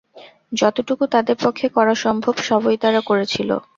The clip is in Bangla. যতটুকু তাদের পক্ষে করা সম্ভব সবই তারা করেছিল।